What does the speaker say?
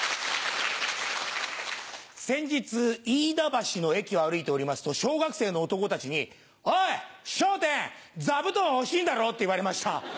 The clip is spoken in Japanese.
先日飯田橋の駅を歩いておりますと小学生の男たちに「おい笑点座布団欲しいんだろ？」って言われました。